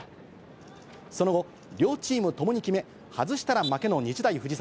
その後、両チームともに決め、外したら負けの日大藤沢。